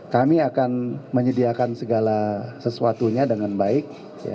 kami akan menyediakan segala sesuatunya dengan baik